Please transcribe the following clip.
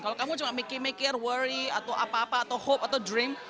kalau kamu cuma mikir mikir worry atau apa apa atau hope atau dream